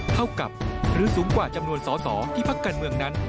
เท่ากับหรือสูงกว่าจำนวนสอสอที่พักการเมืองนั้น